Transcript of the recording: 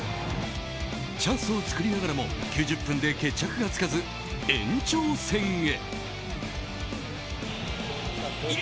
チャンスを作りながらも９０分で決着がつかず延長戦へ。